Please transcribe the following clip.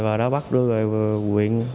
và đã bắt đưa về huyện